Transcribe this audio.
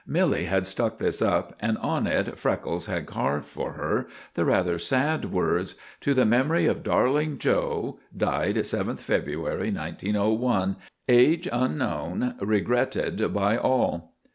Minnie had stuck this up, and on it Freckles had carved for her the rather sad words— "_To the memory of darling 'Joe,' died 7th February, 1901. Age unknown. Regretted by all.